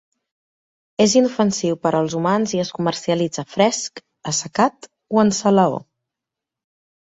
És inofensiu per als humans i es comercialitza fresc, assecat o en salaó.